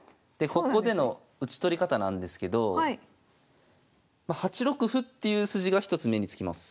ここでの打ち取り方なんですけどま８六歩っていう筋が一つ目に付きます。